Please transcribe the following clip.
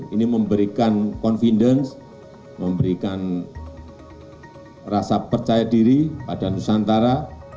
ini memberikan confidence memberikan rasa percaya diri pada nusantara